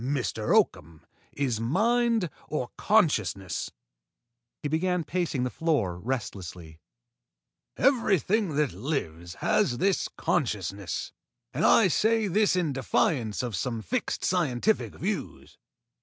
Life, Mr. Oakham, is mind or consciousness." He began pacing the floor restlessly. "Everything that lives has this consciousness, and I say this in defiance of some fixed scientific views.